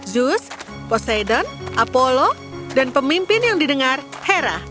zeus poseidon apollo dan pemimpin yang didengar hera